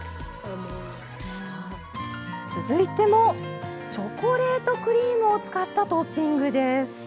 続いてもチョコレートクリームを使ったトッピングです。